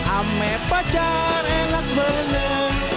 ame pacar enak bener